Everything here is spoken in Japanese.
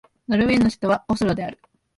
ノルウェーの首都はオスロである